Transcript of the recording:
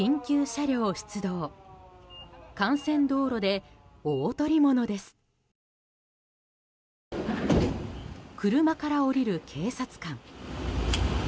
車から降りる警察官。